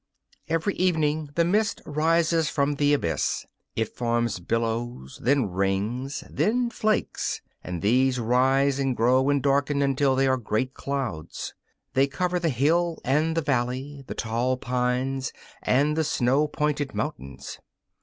Every evening the mist rises from the abyss. It forms billows; then rings; then flakes, and these rise and grow and darken until they are great clouds. They cover the hill and the valley, the tall pines and the snow pointed mountains.